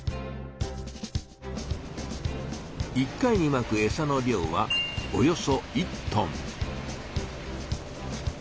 １回にまくエサの量はおよそ１トン。